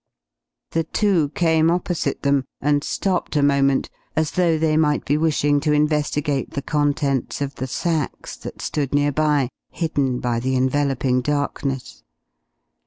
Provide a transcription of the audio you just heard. The two came opposite them, and stopped a moment, as though they might be wishing to investigate the contents of the sacks that stood nearby, hidden by the enveloping darkness.